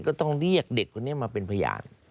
ก็ต้องเรียกเด็กคนนี้มาเป็นพยาน